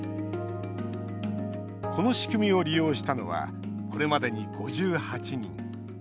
この仕組みを利用したのはこれまでに５８人。